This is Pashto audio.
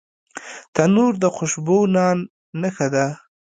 تنور د خوشبو نان نښه ده